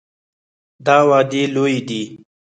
دا وعدې لویې دي.